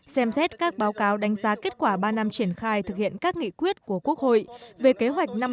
xem xét các báo cáo đánh giá kết quả ba năm triển khai thực hiện các nghị quyết của quốc hội về kế hoạch năm năm